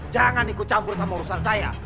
jangan ikut campur sama urusan saya